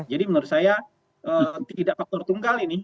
jadi menurut saya tidak faktor tunggal ini